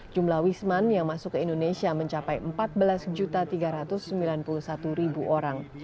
jumlah wisman yang masuk ke indonesia mencapai empat belas tiga ratus sembilan puluh satu orang